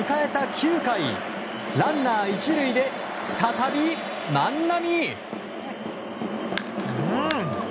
９回ランナー１塁で再び万波。